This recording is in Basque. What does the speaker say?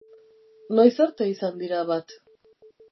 Noiz arte izan dira bat?